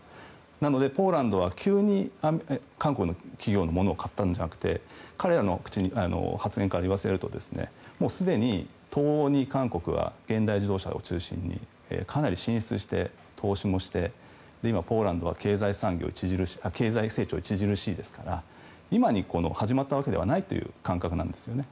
なのでポーランドは急に韓国の企業のものを買ったのではなくて彼らの発言から言わせるとすでに東欧に韓国は現代自動車を中心にかなり進出して、投資もして今、ポーランドは経済成長が著しいですから今に始まったわけではないという感覚なんですね。